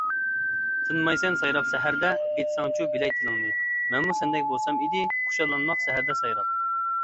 تىنمايسەن سايراپ سەھەردە، ئېيتساڭچۇ بىلەي تىلىڭنى؟ مەنمۇ سەندەك بولسام ئىدى، خۇشاللانماق سەھەردە سايراپ.